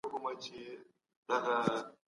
معاصر سياست له تاريخ څخه روح اخلي.